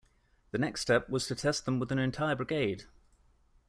The next step was to test them with an entire brigade.